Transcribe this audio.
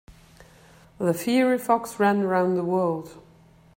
The fiery fox ran around the world.